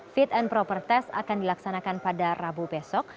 fit and proper test akan dilaksanakan pada rabu besok